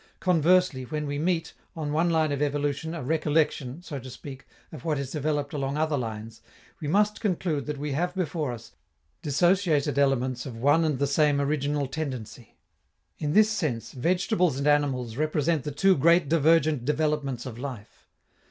Conversely, when we meet, on one line of evolution, a recollection, so to speak, of what is developed along other lines, we must conclude that we have before us dissociated elements of one and the same original tendency. In this sense, vegetables and animals represent the two great divergent developments of life.